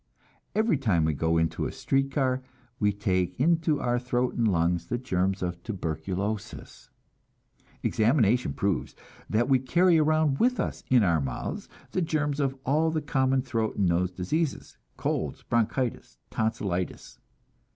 Every time we go into a street car, we take into our throat and lungs the germs of tuberculosis. Examination proves that we carry around with us in our mouths the germs of all the common throat and nose diseases, colds, bronchitis, tonsilitis.